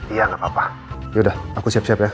iya gapapa yaudah aku siap siap ya